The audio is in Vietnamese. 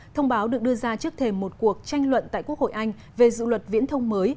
thông báo được đưa ra trước thềm một cuộc tranh luận tại quốc hội anh về dự luật viễn thông mới